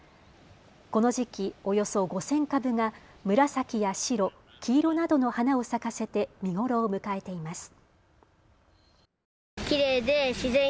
この時期、およそ５０００株が紫や白、黄色などの花を咲かせて見頃を迎えています。